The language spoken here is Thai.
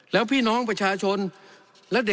แล้วพี่น้องประชาชน์ท่านปล่อยประหละเลย